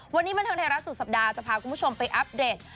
วันนี้บันเทิงไทยรัฐสุดสัปดาห์จะพาคุณผู้ชมไปอัปเดต